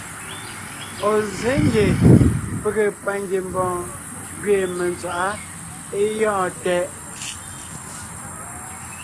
Ɔ̀ zsé ngie pege pangiembɔɔn gẅiin mentswaʼá é gyɔ̂ɔn tɛʼ.